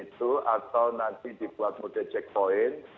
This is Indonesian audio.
itu atau nanti dibuat mode checkpoint